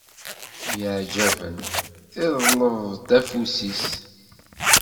Myaɛjaben, iḍleb-d afus-is.